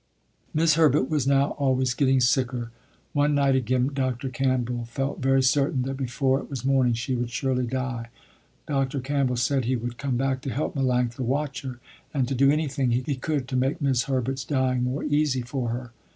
'Mis' Herbert was now always getting sicker. One night again Dr. Campbell felt very certain that before it was morning she would surely die. Dr. Campbell said he would come back to help Melanctha watch her, and to do anything he could to make 'Mis' Herbert's dying more easy for her.